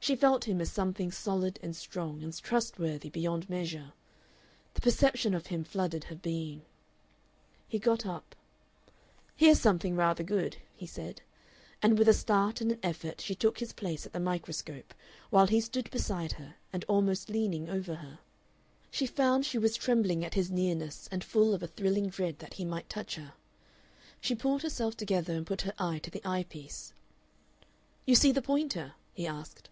She felt him as something solid and strong and trustworthy beyond measure. The perception of him flooded her being. He got up. "Here's something rather good," he said, and with a start and an effort she took his place at the microscope, while he stood beside her and almost leaning over her. She found she was trembling at his nearness and full of a thrilling dread that he might touch her. She pulled herself together and put her eye to the eye piece. "You see the pointer?" he asked.